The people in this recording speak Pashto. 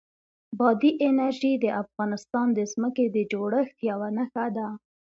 بادي انرژي د افغانستان د ځمکې د جوړښت یوه نښه ده.